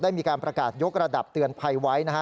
มีการประกาศยกระดับเตือนภัยไว้นะฮะ